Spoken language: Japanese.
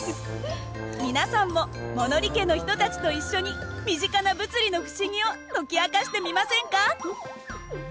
皆さんも物理家の人たちと一緒に身近な物理の不思議を解き明かしてみませんか？